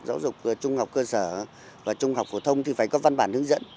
giáo dục trung học cơ sở và trung học phổ thông thì phải có văn bản hướng dẫn